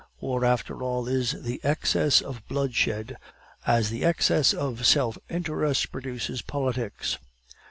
"War, after all, is the Excess of bloodshed, as the Excess of self interest produces Politics.